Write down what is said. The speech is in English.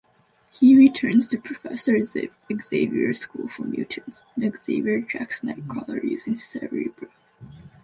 He returns to Professor Xavier's school for mutants, and Xavier tracks Nightcrawler using Cerebro.